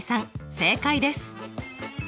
正解です。